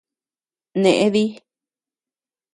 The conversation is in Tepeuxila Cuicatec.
Neʼe dí.